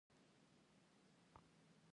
د جامو پلورنځي په بازارونو کې دي